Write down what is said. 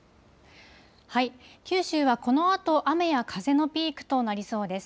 九州はこのあと雨や風のピークとなりそうです。